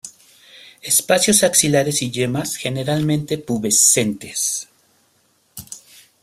Espacios axilares y yemas generalmente pubescentes.